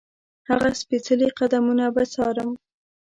هغه سپېڅلي قدمونه به څارم.